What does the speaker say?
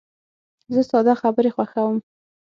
زه ساده خبرې خوښوم.